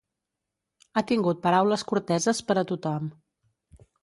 Ha tingut paraules corteses per a tothom.